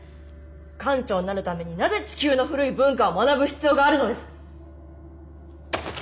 艦長になるためになぜ地球の古い文化を学ぶ必要があるのです。